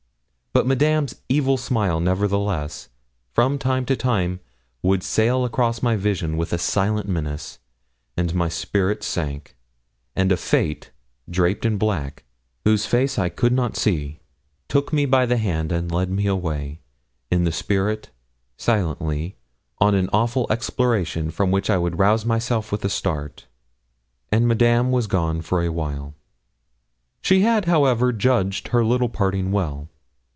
But Madame's evil smile, nevertheless, from time to time, would sail across my vision with a silent menace, and my spirits sank, and a Fate, draped in black, whose face I could not see, took me by the hand, and led me away, in the spirit, silently, on an awful exploration from which I would rouse myself with a start, and Madame was gone for a while. She had, however, judged her little parting well.